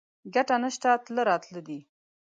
ګټه نشته تله راتله دي